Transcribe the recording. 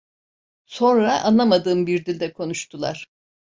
Sonra anlamadığım bir dilde konuştular.